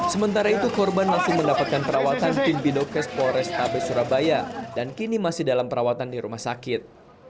sementara itu korban langsung mendapatkan perawatan tim bidokes polrestabes surabaya dan kini masih dalam perawatan di rumah sakit